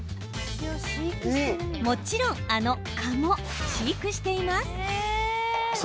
もちろんあの蚊も飼育しています。